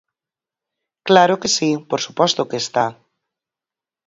Claro que si, por suposto que está.